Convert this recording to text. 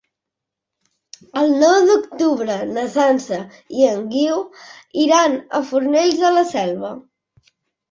El nou d'octubre na Sança i en Guiu iran a Fornells de la Selva.